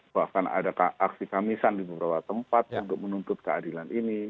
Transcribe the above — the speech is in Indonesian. bahkan ada aksi kamisan di beberapa tempat untuk menuntut keadilan ini